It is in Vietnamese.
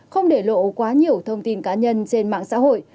không để lộ quá nhiều thông tin cá nhân trên mạng xã hội